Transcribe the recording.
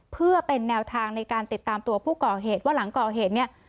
เพื่อเป็นแนวทางในการติดตามตัวผู้ก่อเหตุว่าหลังก่อเหตุเนี่ย